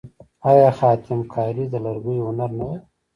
آیا خاتم کاري د لرګیو هنر نه دی؟